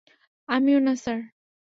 আমিও না, স্যার।